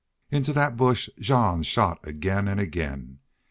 Into that bush Jean shot again and again.